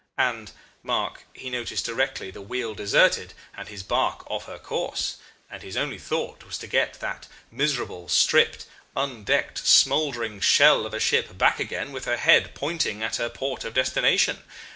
And, mark, he noticed directly the wheel deserted and his barque off her course and his only thought was to get that miserable, stripped, undecked, smouldering shell of a ship back again with her head pointing at her port of destination.